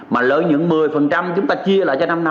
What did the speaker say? mà lợi nhuận một mươi chúng ta chia lại cho năm năm